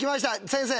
先生！